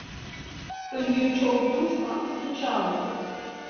Ölüyü çok yursan sıçağan olur.